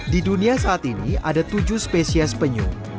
di dunia saat ini ada tujuh spesies penyu